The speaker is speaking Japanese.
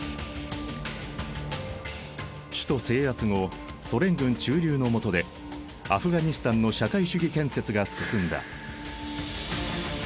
首都制圧後ソ連軍駐留の下でアフガニスタンの社会主義建設が進んだ。